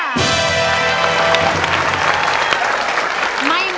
ใช้หรือไม่ใช้ครับ